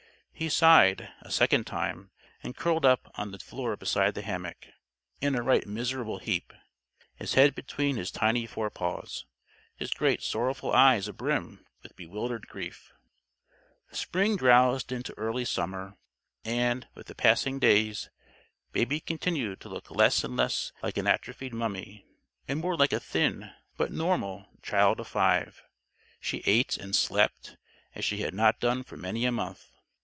He sighed, a second time; and curled up on the floor beside the hammock, in a right miserable heap; his head between his tiny forepaws, his great sorrowful eyes abrim with bewildered grief. Spring drowsed into early summer. And, with the passing days, Baby continued to look less and less like an atrophied mummy, and more like a thin, but normal, child of five. She ate and slept, as she had not done for many a month.